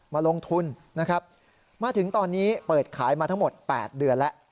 มาลงทุนนะครับมาถึงตอนนี้เปิดขายมาทั้งหมด๘เดือนแล้ว